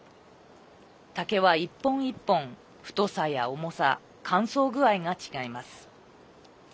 竹は一本一本、太さや重さ乾燥具合が違います。